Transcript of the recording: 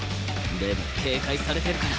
でも警戒されてるから